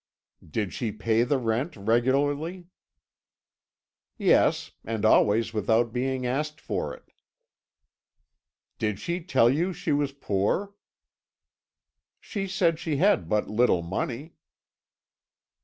"Did she pay the rent regularly?" "Yes; and always without being asked for it." "Did she tell you she was poor?" "She said she had but little money."